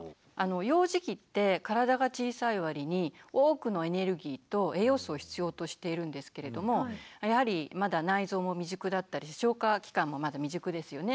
幼児期って体が小さいわりに多くのエネルギーと栄養素を必要としているんですけれどもやはりまだ内臓も未熟だったり消化器官もまだ未熟ですよね。